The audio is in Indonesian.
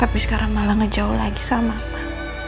tapi sekarang malah ngejauh lagi sama mama